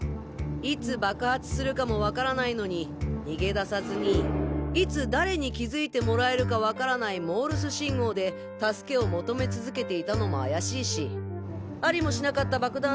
いつ爆発するかも分からないのに逃げださずにいつ誰に気づいてもらえるか分からないモールス信号で助けを求め続けていたのも怪しいしありもしなかった爆弾